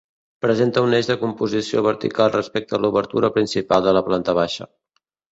Presenta un eix de composició vertical respecte a l'obertura principal de la planta baixa.